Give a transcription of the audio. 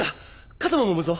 肩ももむぞ！